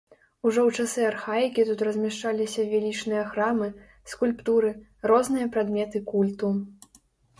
Ужо ў часы архаікі тут размяшчаліся велічныя храмы, скульптуры, розныя прадметы культу.